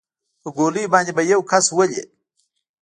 په ګولۍ باندې به يو کس ولې.